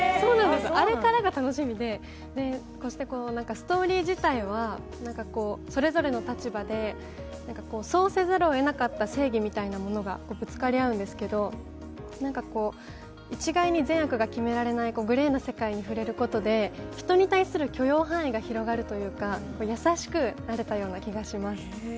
あれからが楽しみで、そしてストーリー自体はそれぞれの立場で、そうせざるをえなかった正義みたいなものがぶつかり合うんですけど、一概に善悪が決められない、グレーな世界に触れることで人に対する許容範囲が広がるというか、優しくなれたような気がします。